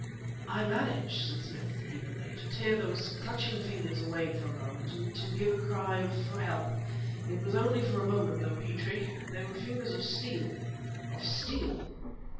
"I managed," said Smith evenly, "to tear those clutching fingers away for a moment and to give a cry for help. It was only for a moment, though. Petrie! they were fingers of steel of steel!"